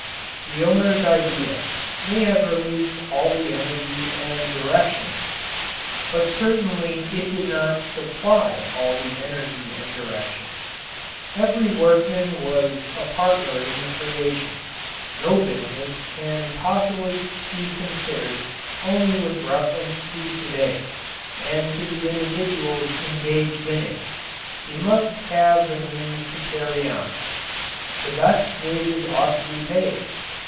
The owner's idea may have released all the energy and direction, but certainly it did not supply all the energy and direction. Every workman was a partner in the creation. No business can possibly be considered only with reference to to day and to the individuals engaged in it. It must have the means to carry on. The best wages ought to be paid.